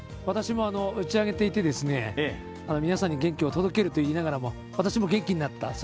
私も打ち上げていて皆さんに元気を届けると言いながらも私も元気になった。